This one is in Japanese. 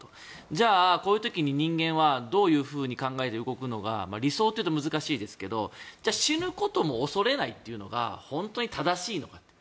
じゃあ、こういう時に人間はどう考えて動くのが理想というと難しいですがじゃあ、死ぬことも恐れないというのが本当に正しいのかと。